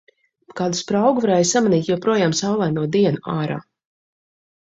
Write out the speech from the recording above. Pa kādu spraugu varēja samanīt joprojām saulaino dienu ārā.